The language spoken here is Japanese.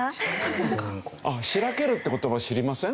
ああ「しらける」っていう言葉を知りません？